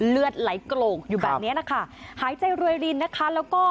เลือดไหลโกกอยู่แบบนี้นะคะหายใจรวยรินนะคะแล้วก็